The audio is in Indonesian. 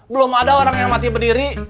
belum ada orang yang mati berdiri